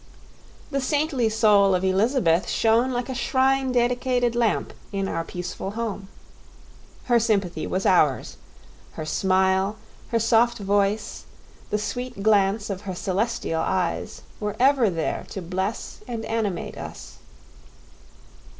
The saintly soul of Elizabeth shone like a shrine dedicated lamp in our peaceful home. Her sympathy was ours; her smile, her soft voice, the sweet glance of her celestial eyes, were ever there to bless and animate us.